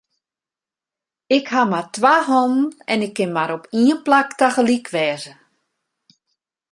Ik haw mar twa hannen en ik kin mar op ien plak tagelyk wêze.